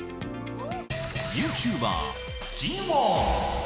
ユーチューバー、ジウォン。